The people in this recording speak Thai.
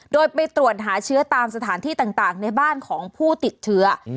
โดยไปตรวจหาเชื้อตามสถานที่ต่างในบ้านของผู้ติดเชื้อ